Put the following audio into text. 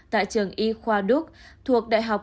tại trường y khoa đức thuộc đại học quốc tế